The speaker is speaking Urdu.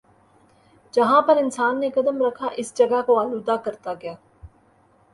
جہاں پر انسان نے قدم رکھا اس جگہ کو آلودہ کرتا گیا